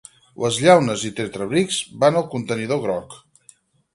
Les llaunes i tetabrics van al contenidor groc